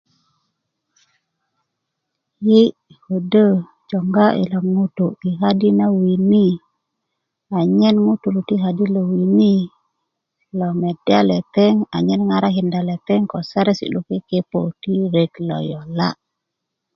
yi' ködö joŋga yilo ŋutu' yi kadi na wini anyen ŋutuu ti kadi na wini lo medda lepeŋ anyen ŋarakinda lepeŋ ko saresi' lo kekepo ti ret lo yola'